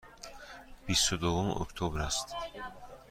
بیست و دوم اکتبر است.